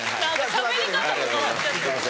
しゃべり方も変わっちゃった。